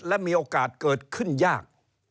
และมีโอกาสเกิดขึ้นยาก